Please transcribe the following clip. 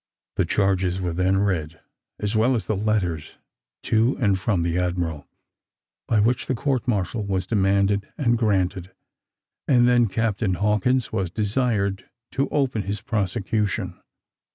The charges were then read, as well as the letters to and from the admiral, by which the court martial was demanded and granted; and then Captain Hawkins was desired to open his prosecution.